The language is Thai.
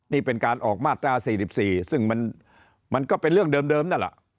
นี่เป็นการออกมาตรา๔๔ซึ่งมันก็เป็นเรื่องเดิมนั่นแหละ